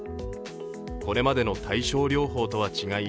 これまでの対症療法とは違い